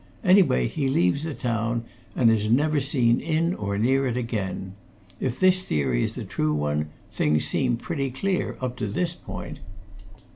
Anyway, he leaves the town, and is never seen in or near it again. If this theory is a true one, things seem pretty clear up to this point."